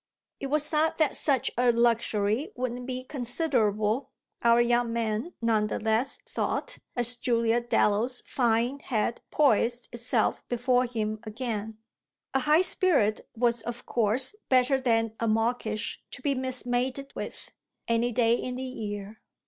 It was not that such a luxury wouldn't be considerable, our young man none the less thought as Julia Dallow's fine head poised itself before him again; a high spirit was of course better than a mawkish to be mismated with, any day in the year.